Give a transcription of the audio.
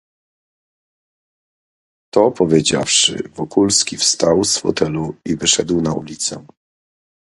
"To powiedziawszy, Wokulski wstał z fotelu i wyszedł na ulicę."